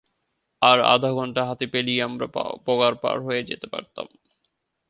আর আধা ঘন্টা হাতে পেলেই আমরা পগারপার হয়ে যেতে পারতাম।